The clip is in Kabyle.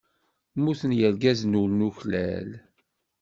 Mmuten yirgazen ur nuklal.